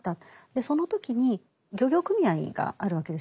その時に漁業組合があるわけですよね。